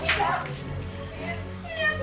ini apaan ini